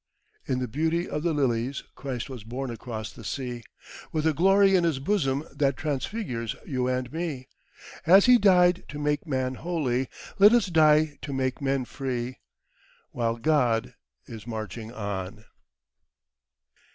"In the beauty of the lilies Christ was born across the sea, With a glory in His bosom that transfigures you and me; As He died to make man holy, let us die to make men free, While God is marching on."